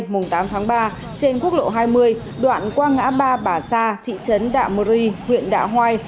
mùng tám tháng ba trên quốc lộ hai mươi đoạn qua ngã ba bà sa thị trấn đạm ri huyện đạo hoai